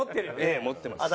ええ持ってます。